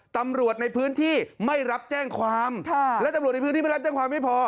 ตำรวจในพื้นที่ไม่รับแจ้งความและตำรวจในพื้นที่ไม่รับแจ้งความไม่พอ